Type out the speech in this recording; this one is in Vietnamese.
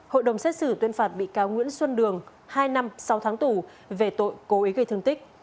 hội đồng xét xử tuyên phạt bị cáo nguyễn xuân đường hai năm sáu tháng tù về tội cố ý gây thương tích